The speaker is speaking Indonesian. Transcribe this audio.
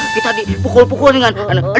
kita dipukul pukul dengan